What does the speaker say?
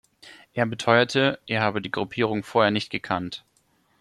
Er beteuerte, er habe die Gruppierung vorher nicht gekannt.